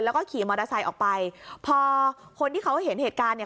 แล้วก็ขี่มอเตอร์ไซค์ออกไปพอคนที่เขาเห็นเหตุการณ์เนี่ย